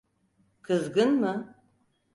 Kızgın mı?